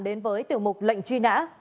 đến với tiểu mục lệnh truy nã